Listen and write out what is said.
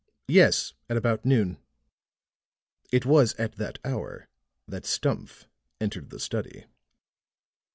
"Yes, at about noon." It was at that hour that Stumph entered the study.